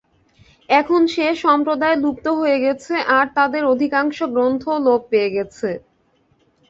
এখন সে-সম্প্রদায় লুপ্ত হয়ে গেছে, আর তাদের অধিকাংশ গ্রন্থও লোপ পেয়ে গেছে।